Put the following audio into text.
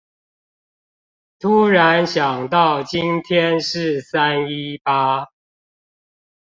突然想到今天是三一八